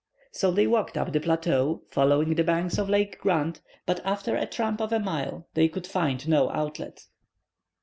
So they walked up the plateau, following the banks of Lake Grant, but after a tramp of a mile, they could find no outlet.